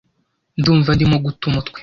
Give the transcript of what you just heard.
Ndumva ndimo guta umutwe.